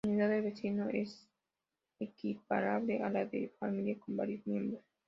La unidad de vecino, es equiparable a la de familia con varios miembros.